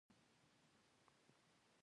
هلته نوي پلورنځي وو او لیکونه کور ته راتلل